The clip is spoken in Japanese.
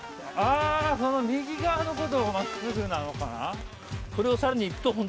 その右側のことをまっすぐなのかな？